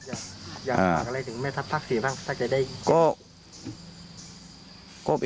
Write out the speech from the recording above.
อย่างไรถึงแม่ทัพภาคสี่บ้างถ้าใจได้